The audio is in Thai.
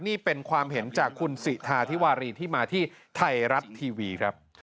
นี่เป็นความเห็นจากคุณสิทาธิวารีที่มาที่ไทยรัฐทีวีครับ